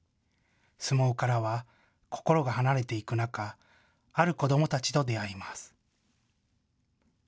相撲からは心が離れていく中、ある子どもたちと出会います。